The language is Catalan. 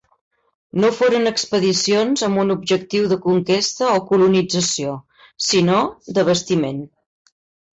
No foren expedicions amb un objectiu de conquesta o colonització, sinó d'abastiment.